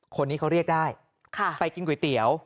คนนี้เขาเรียกได้ไปกินก๋วยเตี๋ยว